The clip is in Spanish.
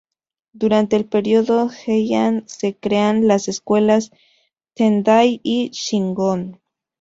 Durante el Periodo Heian se crean las escuelas Tendai y Shingon.